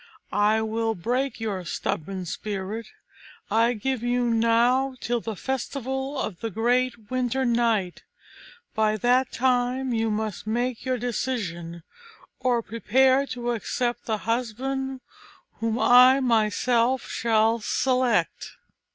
I will break your stubborn spirit. I give you now till the festival of the great Winter night; by that time you must make your decision, or prepare to accept the husband whom I myself shall select."